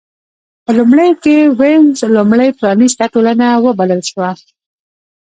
په لومړیو کې وینز لومړۍ پرانېسته ټولنه وبلل شوه.